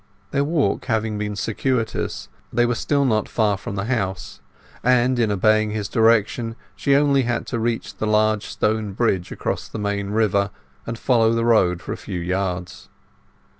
Their walk having been circuitous, they were still not far from the house, and in obeying his direction she only had to reach the large stone bridge across the main river and follow the road for a few yards.